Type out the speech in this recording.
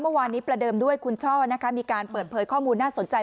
เมื่อวานนี้ประเดิมด้วยคุณช่อนะคะมีการเปิดเผยข้อมูลน่าสนใจ